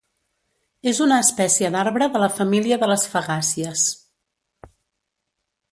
És una espècie d'arbre de la família de les fagàcies.